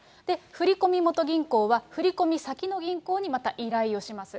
振り込み元銀行は振り込み先の銀行にまた依頼をします。